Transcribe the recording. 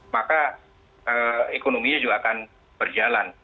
maka ekonominya juga akan berjalan